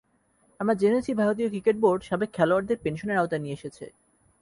আমরা জেনেছি ভারতীয় ক্রিকেট বোর্ড সাবেক খেলোয়াড়দের পেনশনের আওতায় নিয়ে এসেছে।